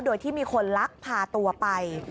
โดยที่มีคนลักพาตัวไป